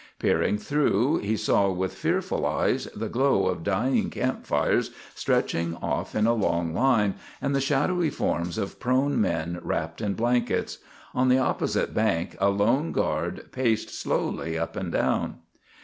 Peering through, he saw with fearful eyes the glow of dying campfires stretching off in a long line, and the shadowy forms of prone men wrapped in blankets. On the opposite bank a lone guard paced slowly up and down.